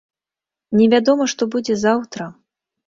Невядома, што будзе заўтра.